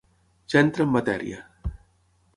Ja entra en matèria.